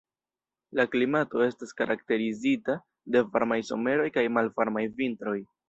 La klimato estas karakterizita de varmaj someroj kaj malvarmaj vintroj.